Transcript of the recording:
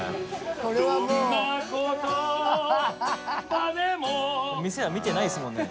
これはもう ）店は見てないですもんね。